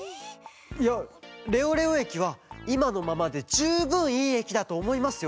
いやレオレオえきはいまのままでじゅうぶんいいえきだとおもいますよ。